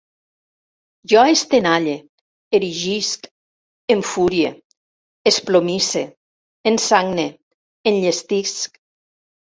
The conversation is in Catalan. Jo estenalle, erigisc, enfurie, esplomisse, ensagne, enllestisc